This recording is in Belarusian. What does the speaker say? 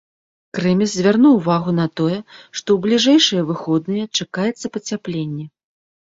Крэмез звярнуў увагу на тое, што ў бліжэйшыя выходныя чакаецца пацяпленне.